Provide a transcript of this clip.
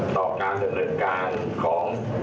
ต่อการดำเนินการของ